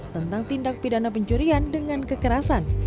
tentang tindak pidana pencurian dengan kekerasan